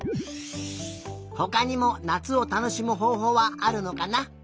ほかにもなつをたのしむほうほうはあるのかな？